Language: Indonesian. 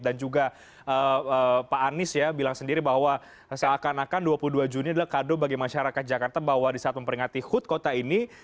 dan juga pak anies ya bilang sendiri bahwa seakan akan dua puluh dua juni adalah kado bagi masyarakat jakarta bahwa disaat memperingati hood kota ini